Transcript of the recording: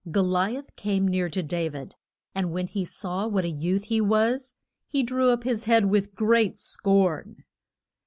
Go li ath came near to Da vid, and when he saw what a youth he was, he drew up his head with great scorn.